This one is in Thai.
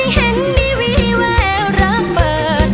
อยากแต่งานกับเธออยากแต่งานกับเธอ